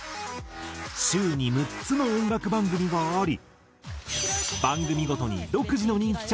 週に６つの音楽番組があり。